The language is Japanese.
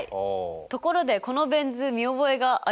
ところでこのベン図見覚えがありませんか？